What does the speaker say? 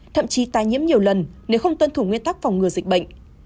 thậm chí tái nhiễm nhiều lần nếu không tân thủ nguyên tắc phòng ngừa dịch bệnh